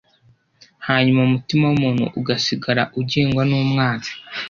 hanyuma umutima w’umuntu ugasigara ugengwa n’umwanzi